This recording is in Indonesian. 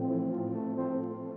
pokoknya polnya laku laku